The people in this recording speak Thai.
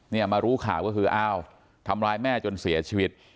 เนี่ยมารู้ข่าวก็คืออ้าวทำร้ายแม่จนเสียชีวิต